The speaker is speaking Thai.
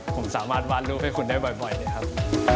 ผมสามารถวาดรูปให้คุณได้บ่อยเลยครับ